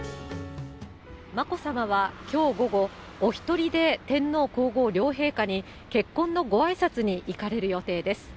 眞子さまはきょう午後、お１人で天皇皇后両陛下に結婚のごあいさつに行かれる予定です。